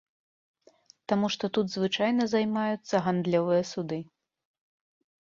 Таму што тут звычайна займаюцца гандлёвыя суды.